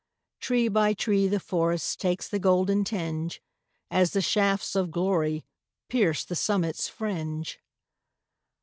Tree by tree the forest Takes the golden tinge, As the shafts of glory Pierce the summit's fringe.